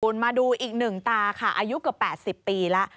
คุณมาดูอีกหนึ่งตาค่ะอายุเกือบ๘๐ปีแล้ว